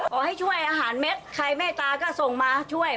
ขอให้ช่วยอาหารเม็ดใครแม่ตาก็ส่งมาช่วย